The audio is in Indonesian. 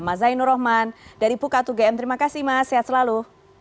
mas zainur rohman dari pukatu gm terima kasih mas sehat selalu